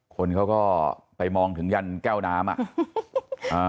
คนเขาก็ไปมองถึงยันแก้วน้ำอ่ะอ่า